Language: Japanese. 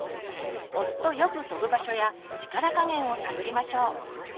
押すとよく飛ぶ場所や力加減を探りましょう。